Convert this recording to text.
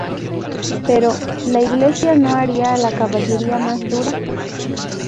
Pero ¿la Iglesia no haría a la caballería más dura?